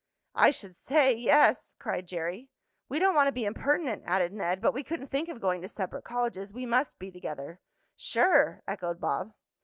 "I should say, yes!" cried Jerry. "We don't want to be impertinent," added Ned, "but we couldn't think of going to separate colleges. We must be together." "Sure!" echoed Bob.